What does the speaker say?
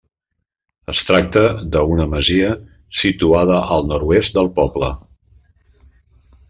Es tracta d'una masia situada al nord-oest del poble.